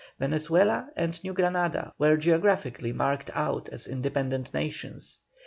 Venezuela and New Granada were geographically marked out as independent nations.